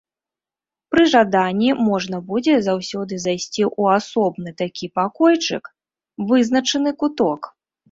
Пры жаданні можна будзе заўсёды зайсці ў асобны такі пакойчык, вызначаны куток.